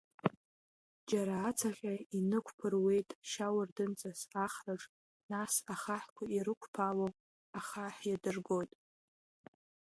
Џьара ацаҟьа инықәԥыруеит шьауардынҵас ахраҿ, нас, ахаҳәқәа ирықәԥало, ахаҳә иадыргоит.